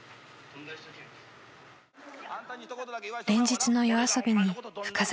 ［連日の夜遊びに深酒］